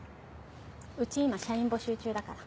うち今社員募集中だから。